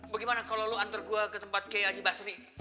bagaimana kalau lo antar gue ke tempat kiai haji basri